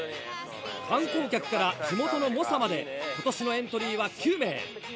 観光客から地元の猛者まで今年のエントリーは９名。